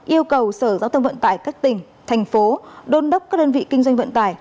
yêu cầu sở giao thông vận tải các tỉnh thành phố đôn đốc các đơn vị kinh doanh vận tải